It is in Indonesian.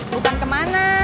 bukan ke mana